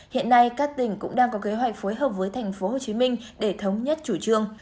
hiện nay các tỉnh cũng đang có kế hoạch phối hợp với tp hcm để thống nhất chủ trương